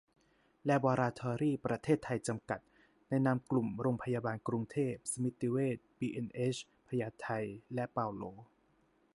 แลบอราทอรีส์ ประเทศไทย จำกัด ในนามกลุ่มโรงพยาบาลกรุงเทพ สมิติเวช บีเอ็นเอช พญาไท และเปาโล